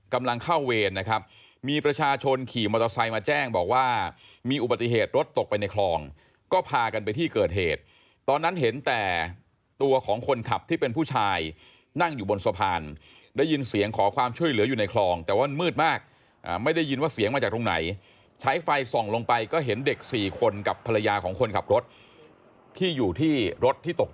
กำลังเข้าเวรนะครับมีประชาชนขี่มอเตอร์ไซค์มาแจ้งบอกว่ามีอุบัติเหตุรถตกไปในคลองก็พากันไปที่เกิดเหตุตอนนั้นเห็นแต่ตัวของคนขับที่เป็นผู้ชายนั่งอยู่บนสะพานได้ยินเสียงขอความช่วยเหลืออยู่ในคลองแต่ว่ามันมืดมากไม่ได้ยินว่าเสียงมาจากตรงไหนใช้ไฟส่องลงไปก็เห็นเด็กสี่คนกับภรรยาของคนขับรถที่อยู่ที่รถที่ตก